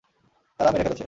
তারা মেরে ফেলেছে।